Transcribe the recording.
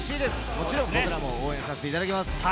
もちろん僕らも応援させていただきます。